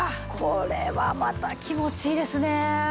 これはまた気持ちいいですね。